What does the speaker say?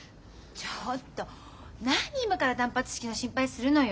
ちょっと何今から断髪式の心配するのよ。